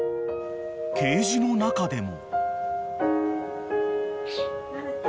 ［ケージの中でも］